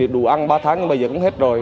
đủ ăn ba tháng nhưng bây giờ cũng hết rồi